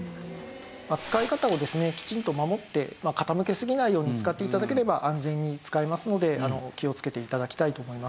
扱い方をですねきちんと守って傾けすぎないように使って頂ければ安全に使えますので気をつけて頂きたいと思います。